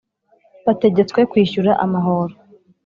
bategetswe Kwishyura amahoro